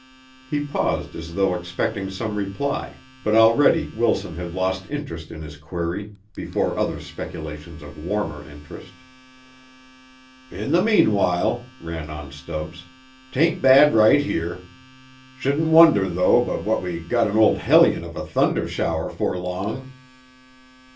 He paused as though expecting some reply, but already Wilson had lost interest in his query before other speculations of warmer interest. "In the meanwhile," ran on Stubbs, "'tain't bad right here. Shouldn't wonder though but what we gut an old hellion of a thunder shower 'fore long."